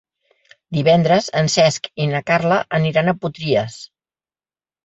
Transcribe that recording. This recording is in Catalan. Divendres en Cesc i na Carla aniran a Potries.